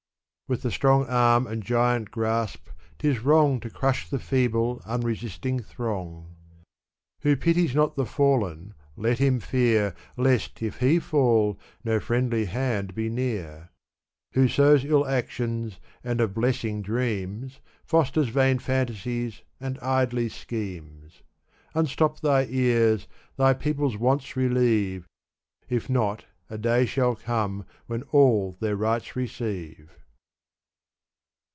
With the strong arm and giant grasp 'tis wrong To crush the feeble, unresisting throng. Who pities not the Men, let him fear, Ixst, if he fall, no friendly hand be near. Who sows ill actions and of blessing dreams, Fosters vain fantasies and idly schemes. Unstop thy ears, thy people's wants relieve. If not, a day ^ shall come when all their rights receive.